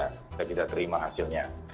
kita tidak terima hasilnya